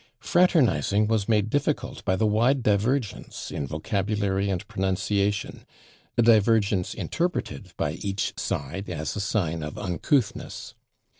Fraternizing was made difficult by the wide divergence in vocabulary and pronunciation a divergence interpreted by each side as a sign of uncouthness.